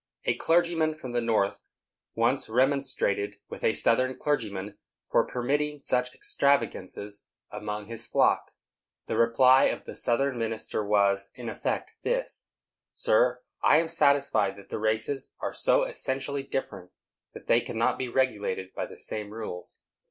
A clergyman from the North once remonstrated with a Southern clergyman for permitting such extravagances among his flock. The reply of the Southern minister was, in effect, this: "Sir, I am satisfied that the races are so essentially different that they cannot be regulated by the same rules.